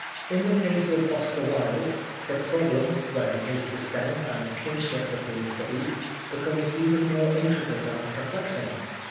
In the case of Oscar Wilde, the problem, when his descent and kinship have been studied, becomes even more intricate and perplexing.